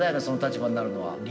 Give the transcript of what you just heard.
その立場になるのは。